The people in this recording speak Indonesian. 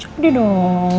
jemput dia dong